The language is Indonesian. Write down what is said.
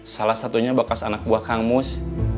salah satunya bekas anak buah kangmus